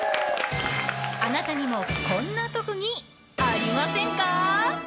あなたにもこんな特技ありませんか？